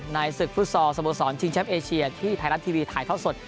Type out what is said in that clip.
ศึกฟุตซอลสโมสรชิงแชมป์เอเชียที่ไทยรัฐทีวีถ่ายทอดสด